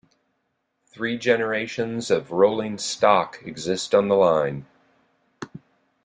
Three generations of rolling stock exist on the line.